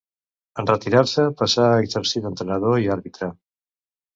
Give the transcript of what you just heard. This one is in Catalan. En retirar-se passà a exercir d'entrenador i àrbitre.